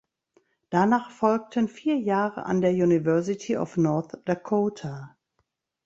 Danach folgten vier Jahre an der University of North Dakota.